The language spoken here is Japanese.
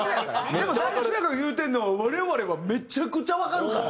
でも渋谷君が言うてるのは我々はめちゃくちゃわかるから。